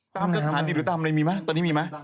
ตามสถานีหรือตามอะไรมีมั้ยตอนนี้มีมั้ย